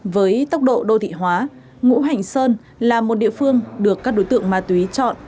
với tốc độ đô thị hóa ngũ hành sơn là một địa phương được các đối tượng ma túy chọn